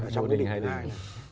trong cái đỉnh thứ hai này